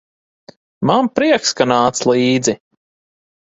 Man prieks, ka nāc līdzi.